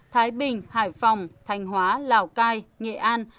thái bình hải phòng thanh hóa lào cai nghệ an